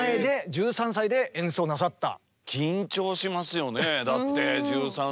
１３歳で演奏なさった。